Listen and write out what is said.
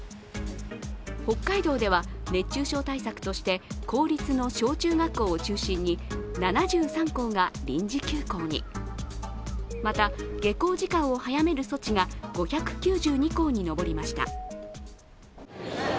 北海道では熱中症対策として効率の小中学校を中心に７３校が臨時休校に、また、下校時間を早める措置が５９２校に上りました。